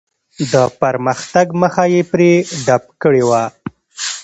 د پرمختګ مخه یې پرې ډپ کړې وه.